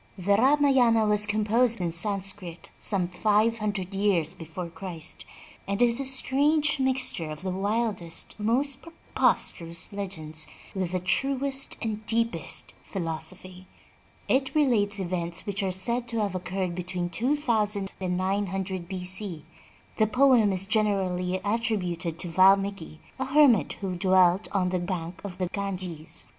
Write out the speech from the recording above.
The Ramayana was composed in Sanscrit some five hundred years before Christ, and is a strange mixture of the wildest and most preposterous legends with the truest and deepest philosophy. It relates events which are said to have occurred between two thousand and nine hundred B. C. The poem is generally attrib uted to Valmiki, a hermit who dwelt on the bank of the Ganges.